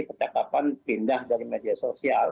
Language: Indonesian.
percakapan pindah dari media sosial